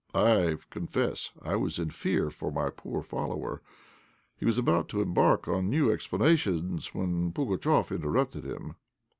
I confess I was in fear for my poor follower. He was about to embark on new explanations when Pugatchéf interrupted him.